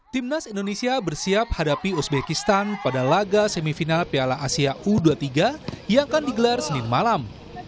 timnas indonesia bersiap hadapi uzbekistan pada laga semifinal piala asia u dua puluh tiga yang akan digelar senin malam